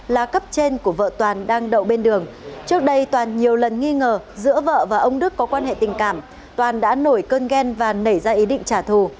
là cấp trên của vợ toàn đang đậu bên đường trước đây toàn nhiều lần nghi ngờ giữa vợ và ông đức có quan hệ tình cảm toàn đã nổi cơn ghen và nảy ra ý định trả thù